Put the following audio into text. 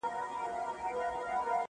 • چي یې پاڼي کړو پرواز لره وزري,